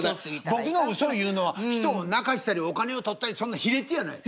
僕の嘘いうのは人を泣かしたりお金を取ったりそんな卑劣やない。